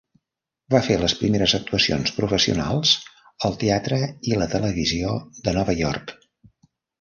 Va fer les primeres actuacions professionals al teatre i la televisió de Nova York.